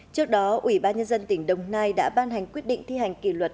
trước đó ủy ban nhân dân tỉnh đồng nai đã ban hành quyết định thi hành kỷ luật